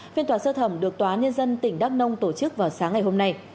phiên tòa sơ thẩm được tòa nhân dân tỉnh đắk nông tổ chức vào sáng ngày hôm nay